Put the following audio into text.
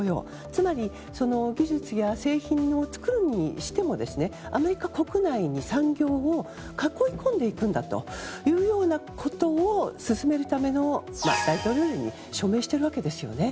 つまり技術や製品を作るにしてもアメリカ国内に産業を囲い込んでいくんだというようなことを進めるための大統領令に署名しているわけですよね。